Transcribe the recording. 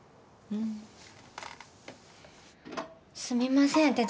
すみません。